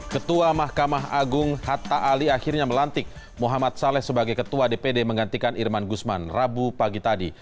ketua mahkamah agung hatta ali akhirnya melantik muhammad saleh sebagai ketua dpd menggantikan irman gusman rabu pagi tadi